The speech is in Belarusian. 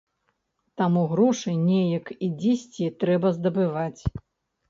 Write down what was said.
Таму грошы неяк і дзесьці трэба здабываць.